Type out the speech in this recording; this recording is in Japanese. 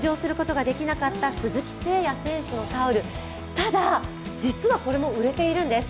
ただ、実はこれも売れているんです。